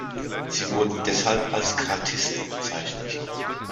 Sie wurden deshalb als Cartisten bezeichnet.